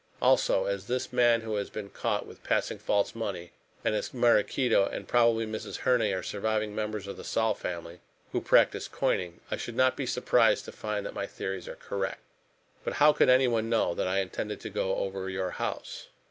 Also, as this man who has been caught was passing false money, and as Maraquito and probably Mrs. Herne are surviving members of the Saul family who practised coining, I should not be surprised to find that my theories are correct. But how could anyone know that I intended to go over your house?"